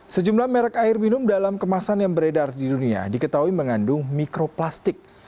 sejumlah merek air minum dalam kemasan yang beredar di dunia diketahui mengandung mikroplastik